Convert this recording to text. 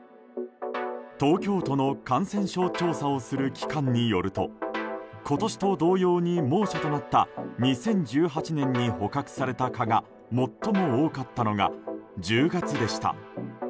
東京都の感染症調査をする機関によると今年と同様に猛暑となった２０１８年に捕獲された蚊が最も多かったのが１０月でした。